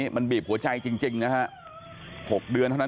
มันบีบหัวใจจริงนะฮะ๖เดือนเท่านั้น